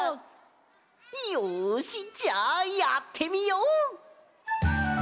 よしじゃあやってみよう！